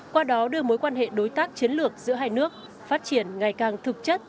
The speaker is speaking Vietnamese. qua đó đưa mối quan hệ đối tác chiến lược giữa hai nước phát triển ngày càng thực chất